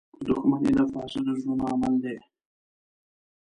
• دښمني د فاسدو زړونو عمل دی.